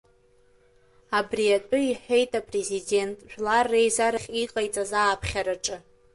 Абри атәы иҳәеит Апрезидент Жәлар реизарахь иҟаиҵаз ааԥхьараҿы.